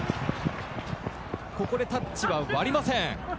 ここでタッチは割りません。